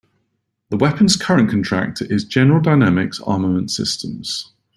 The weapon's current contractor is General Dynamics Armament Systems.